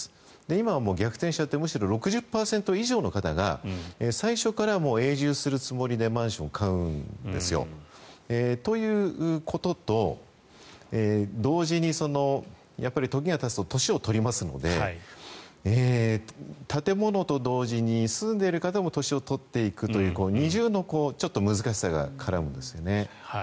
今は逆転してむしろ６０％以上の方が最初から永住するつもりでマンションを買うんですよ。ということと同時に時がたつと年を取りますので建物と同時に住んでいる方も年を取っていくという二重の難しさが絡むんですよね。